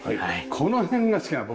この辺が好きなの僕。